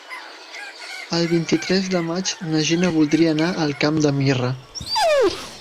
El vint-i-tres de maig na Gina voldria anar al Camp de Mirra.